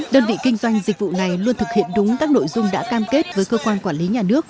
đơn vị kinh doanh dịch vụ này luôn thực hiện đúng các nội dung đã cam kết với cơ quan quản lý nhà nước